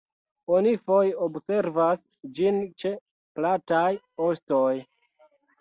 Oni foje observas ĝin ĉe plataj ostoj.